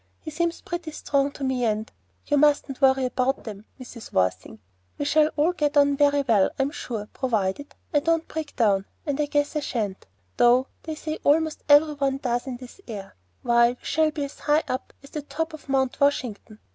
He seems pretty strong to me, and You mustn't worry about them, Mrs. Worthing We shall all get on very well, I'm sure, provided I don't break down, and I guess I sha'n't, though they say almost every one does in this air. Why, we shall be as high up as the top of Mount Washington."